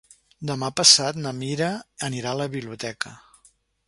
Demà passat na Mira anirà a la biblioteca.